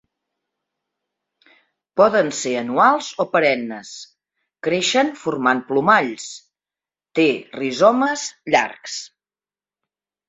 Poden ser anuals o perennes. Creixen formant plomalls. Té rizomes llargs.